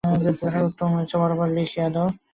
লেখা উত্তম হইতেছে, বরাবর লিখিয়া যাও।